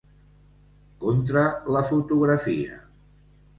Contra la fotografia.